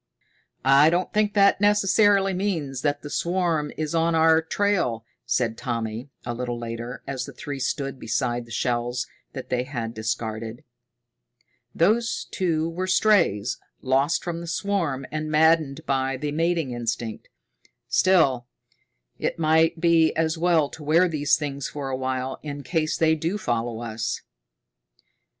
"I don't think that necessarily means that the swarm is on our trail," said Tommy, a little later, as the three stood beside the shells that they had discarded. "Those two were strays, lost from the swarm and maddened by the mating instinct. Still, it might be as well to wear these things for a while, in case they do follow us."